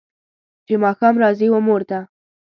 چې ماښام راځي و مور ته